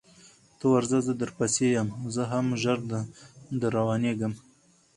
ته ورځه زه در پسې یم زه هم ژر در روانېږم